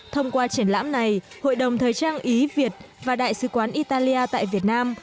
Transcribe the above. thông qua triển lãm này hội đồng thời trang ý việt và đại sứ quán italia tại việt nam